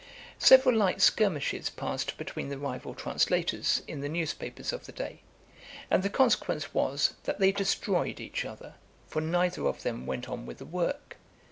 Several light skirmishes passed between the rival translators, in the newspapers of the day; and the consequence was, that they destroyed each other, for neither of them went on with the work.